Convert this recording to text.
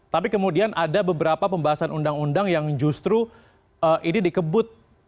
tapi kemudian ada beberapa pembahasan undang undang yang justru ini dikebut